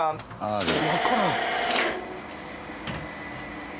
わからん。